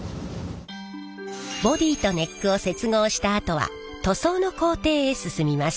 ボディーとネックを接合したあとは塗装の工程へ進みます。